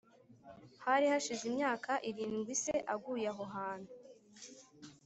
hari hashize imyaka irindwi se aguye aho hantu